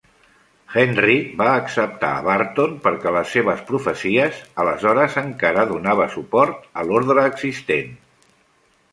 Henry va acceptar a Barton perquè les seves profecies aleshores encara donava suport a l'ordre existent.